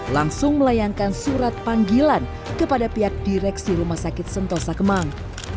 langsung melayangkan surat panggilan kepada pihak direksi rumah sakit sentosa kemang